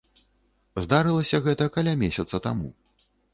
Здарылася гэта каля месяца таму.